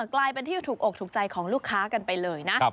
กลายเป็นที่ถูกอกถูกใจของลูกค้ากันไปเลยนะ